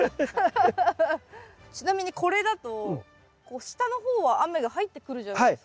ちなみにこれだと下の方は雨が入ってくるじゃないですか。